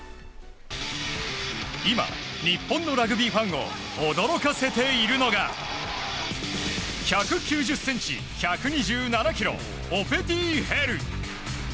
今、日本のラグビーファンを驚かせているのが１９０ｃｍ、１２７ｋｇオペティ・ヘル。